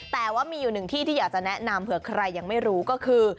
แต่ว่ามีอยู่หนึ่งที่ที่อยากจะแนะนำเผื่อใครยังไม่รู้ก็คือ